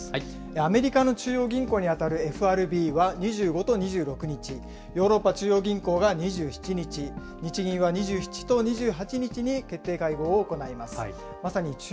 アメリカの中央銀行に当たるＦＲＢは２５と２６日、ヨーロッパ中央銀行が２７日、日銀は２７と２８日に決定会合を行います。